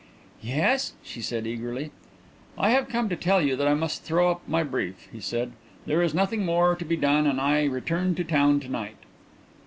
"Yes?" she said eagerly. "I have come to tell you that I must throw up my brief," he said. "There is nothing more to be done and I return to town to night."